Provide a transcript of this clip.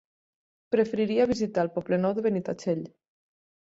Preferiria visitar el Poble Nou de Benitatxell.